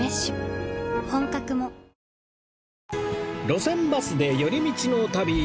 『路線バスで寄り道の旅』